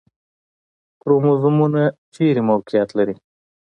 کروموزومونه چیرته موقعیت لري؟